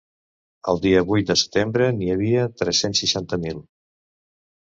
El dia vuit de setembre, n’hi havia tres-cents seixanta mil.